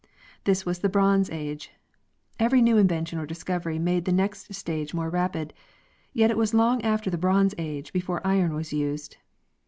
This was the Bronze age. Every new invention or discovery made the next stage more rapid; yet it was long after the Bronze age before iron was used.